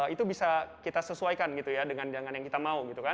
itu bisa kita sesuaikan dengan yang kita mau